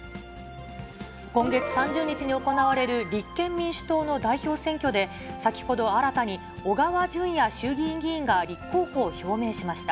今月３０日に行われる立憲民主党の代表選挙で、先ほど新たに、小川淳也衆議院議員が立候補を表明しました。